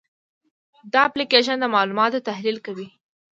دا اپلیکیشن د معلوماتو تحلیل کوي.